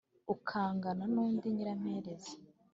ukangana nu ndi nyirampereza